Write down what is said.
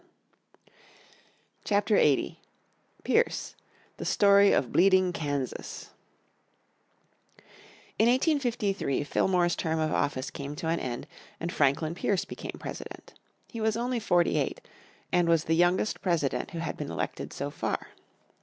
__________ Chapter 80 Pierce The Story of "Bleeding Kansas" In 1853 Fillmore's term of office came to an end and Franklin Pierce became President. He was only forty eight, and was the youngest President who had been elected so far.